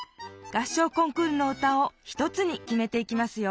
合唱コンクールの歌を１つにきめていきますよ